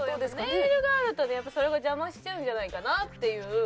ネイルがあるとねそれが邪魔しちゃうんじゃないかなっていう。